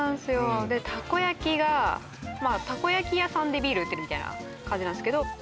たこ焼きがまあたこ焼き屋さんでビール売ってるみたいな感じです